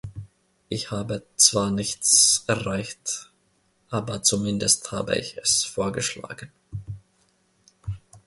Ich habe zwar nichts erreicht, aber zumindest habe ich es vorgeschlagen.